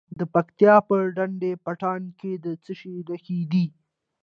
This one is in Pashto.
د پکتیا په ډنډ پټان کې د څه شي نښې دي؟